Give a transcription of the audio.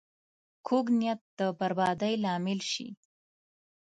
کوږ نیت د بربادۍ لامل شي